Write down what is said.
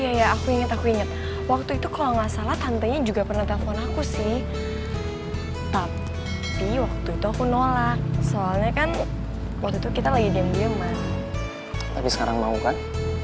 iya aku inget aku inget waktu itu kalau nggak salah tantenya juga pernah telpon aku sih tapi waktu itu aku nolak soalnya kan waktu itu kita lagi diem diaman tapi sekarang mau kan